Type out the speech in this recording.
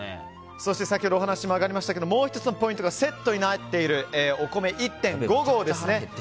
先ほどお話が上がりましたがもう１つのポイントがセットになっているお米１．５合です。